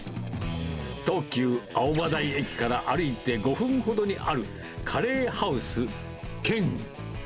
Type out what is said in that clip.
東急青葉台駅から歩いて５分ほどにある、カレーハウスケン。